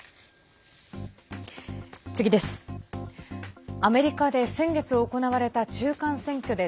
次です。